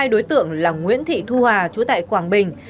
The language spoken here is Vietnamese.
hai đối tượng là nguyễn thị thu hà chú tại quảng bình